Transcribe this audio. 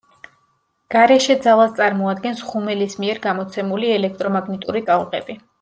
გარეშე ძალას წარმოადგენს ღუმელის მიერ გამოცემული ელექტრომაგნიტური ტალღები.